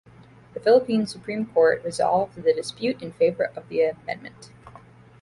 The Philippine Supreme Court resolved the dispute in favor of the amendment.